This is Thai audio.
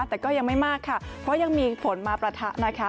แต่ก็ยังไม่มากค่ะเพราะยังมีฝนมาประทะนะคะ